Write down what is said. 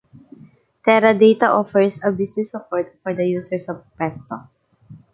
Teradata offers a Business support for the users of Presto.